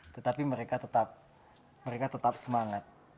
tetapi mereka tetap semangat